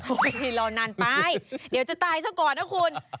โอ้โฮรอนานไปเดี๋ยวจะตายช่วงก่อนนะคุณ